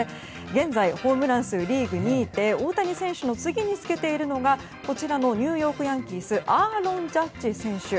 現在、ホームラン数リーグ２位で大谷選手の次につけているのがこちらのニューヨーク・ヤンキースアーロン・ジャッジ選手。